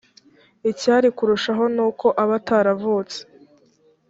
icyari kurushaho ni uko aba ataravutse